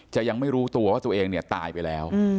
จะยังไม่รู้ตัวว่าตัวเองตายไปแล้ว